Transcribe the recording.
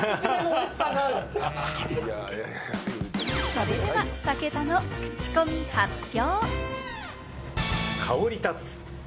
それでは、武田のクチコミ発表！